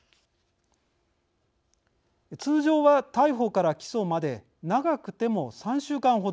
通常は逮捕から起訴まで長くても３週間ほど。